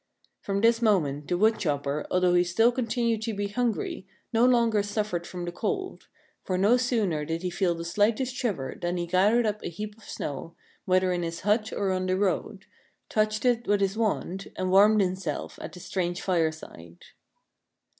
From this moment the wood chopper, although he still continued to be hungry, no longer suffered from the cold ; for no sooner did he feel the slightest shiver than he gathered up a heap of snow, whether in his hut or on the road, touched it with his wand, and warmed himself at this strange fireside.